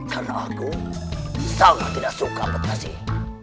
karena aku sangat tidak suka amat kasih